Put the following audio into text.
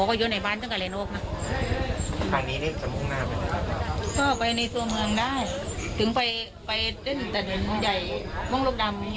การหาวินิียวดู